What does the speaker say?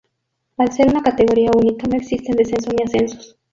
Al ser una categoría única no existen descenso ni ascensos.